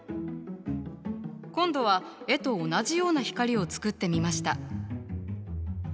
今度は絵と同じような光を作ってみました。